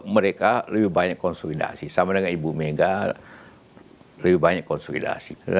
mereka lebih banyak konsolidasi sama dengan ibu mega lebih banyak konsolidasi